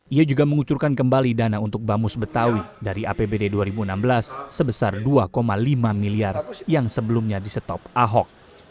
ia juga mengucurkan kembali dana untuk bamus betawi dari apbd dua ribu enam belas sebesar dua lima miliar yang sebelumnya di stop ahok